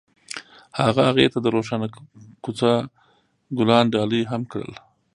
هغه هغې ته د روښانه کوڅه ګلان ډالۍ هم کړل.